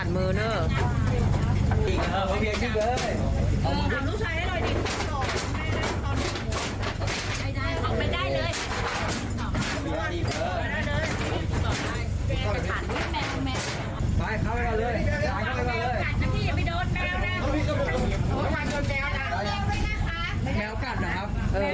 แมวกัดเหรอครับ